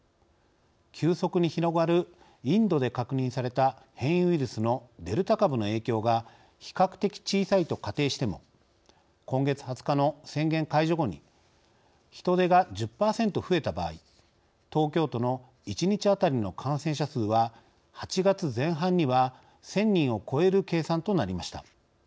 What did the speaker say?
急速に広がるインドで確認された変異ウイルスのデルタ株の影響が比較的小さいと仮定しても今月２０日の宣言解除後に人出が１０％増えた場合東京都の１日当たりの感染者数は８月前半には１０００人を超える計算となりました。